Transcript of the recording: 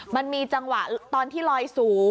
มันมีจังหวะตอนที่ลอยสูง